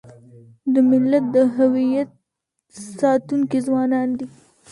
د ملت د هویت ساتونکي ځوانان دي.